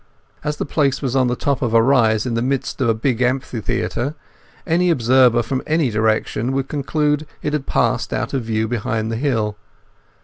As the place was on the top of a rise in the midst of a big amphitheatre, any observer from any direction would conclude it had passed out of view behind the hill.